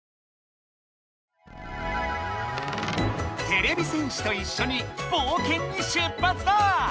てれび戦士といっしょにぼうけんに出発だ！